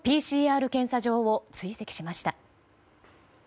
ＰＣＲ検査場を追跡しました。